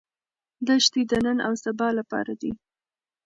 دښتې د نن او سبا لپاره دي.